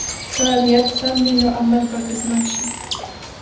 که نیت سم وي، نو عمل به اغېزمن شي.